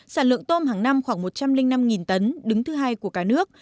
sản lượng tôm hàng năm khoảng một trăm linh năm tấn đứng thứ hai của cả nước